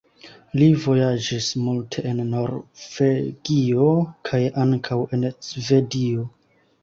Li vojaĝis multe en Norvegio kaj ankaŭ en Svedio.